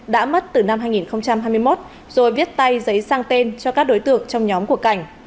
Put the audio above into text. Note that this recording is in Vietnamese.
đã mất từ năm hai nghìn hai mươi một rồi viết tay giấy sang tên cho các đối tượng trong nhóm của cảnh